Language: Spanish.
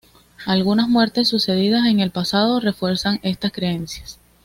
Algunas muertes sucedidas en el pasado refuerzan estas creencias.